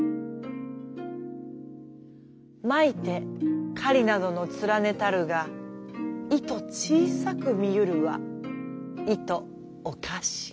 まいて雁などのつらねたるがいと小さく見ゆるはいとをかし。